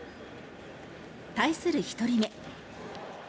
対する１人目。